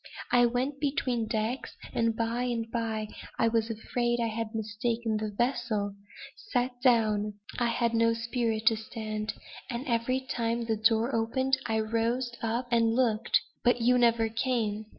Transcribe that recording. I went between decks, and by and by I was afraid I had mistaken the vessel; I sat down I had no spirit to stand; and every time the door opened I roused up and looked but you never came.